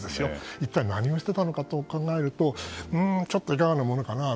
一体何をしていたのかと考えるとちょっといかがなものかなと。